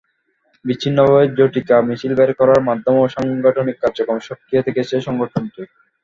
বিচ্ছিন্নভাবে ঝটিকা মিছিল বের করার মাধ্যমেও সাংগঠনিক কার্যক্রমে সক্রিয় থেকেছে সংগঠনটি।